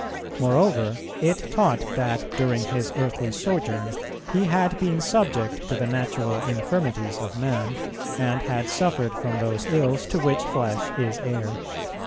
Moreover, it taught that during His earthly sojourn He had been subject to the natural infirmities of man, and had suffered from those ills to which flesh is heir.